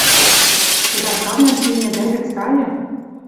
«Подаркавлӓм семнядӓ гӹц тайы». —